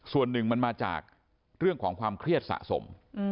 ส่วนหนึ่งมันมาจากเรื่องของความเครียดสะสม